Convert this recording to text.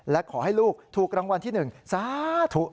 และขอให้ลูกถูกรางวัลที่๑สาธุ